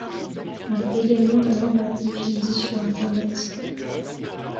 Il est également la langue la plus utilisée sur internet.